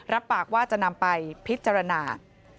รับปากว่าจะนำไปพิจารณา